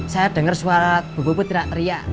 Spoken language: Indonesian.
saya denger suara bu bu bu tidak teriak